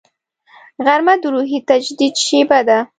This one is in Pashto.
غرمه د روحي تجدید شیبه ده